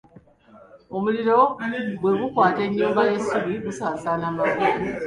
Omuliro bwe gukwata ennyumba ey'essubi, gusaasaana mangu.